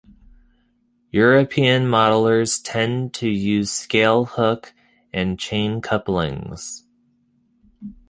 European modellers tend to use scale hook and chain couplings.